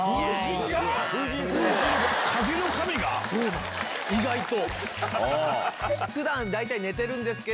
風神が⁉意外と。